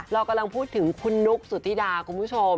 เรากำลังพูดถึงคุณนุ๊กสุธิดาคุณผู้ชม